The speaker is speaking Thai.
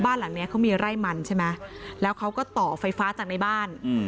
หลังเนี้ยเขามีไร่มันใช่ไหมแล้วเขาก็ต่อไฟฟ้าจากในบ้าน